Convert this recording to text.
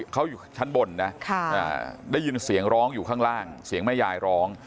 เขาอยู่ชั้นบนนะได้ยินเสียงร้องอยู่ข้างล่างเสียงแม่ยายร้อง